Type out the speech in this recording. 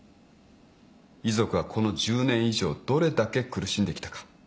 遺族はこの１０年以上どれだけ苦しんできたか。